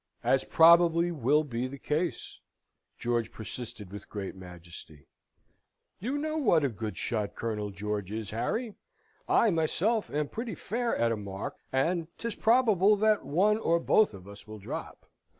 "'As probably will be the case,'" George persisted with great majesty. "You know what a good shot Colonel George is, Harry. I, myself, am pretty fair at a mark, and 'tis probable that one or both of us will drop.